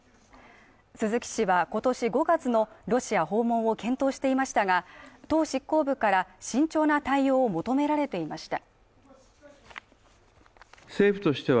鈴木氏は今年５月のロシア訪問を検討していましたが党執行部から慎重な対応を求められていました。